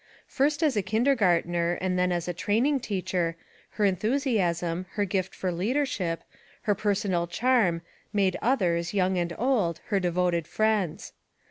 First as a kindergartner and then as a training teacher her enthusiasm, her gift for leadership, her personal charm made others, young and old, her devoted friends.